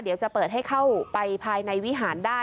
เดี๋ยวจะเปิดให้เข้าไปภายในวิหารได้